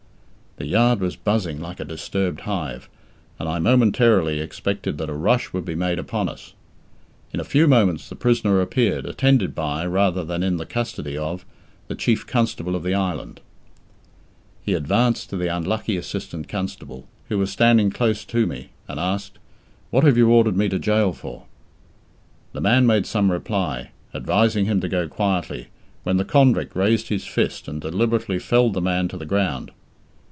The yard was buzzing like a disturbed hive, and I momentarily expected that a rush would be made upon us. In a few moments the prisoner appeared, attended by, rather than in the custody of, the Chief Constable of the island. He advanced to the unlucky assistant constable, who was standing close to me, and asked, "What have you ordered me to gaol for?" The man made some reply, advising him to go quietly, when the convict raised his fist and deliberately felled the man to the ground.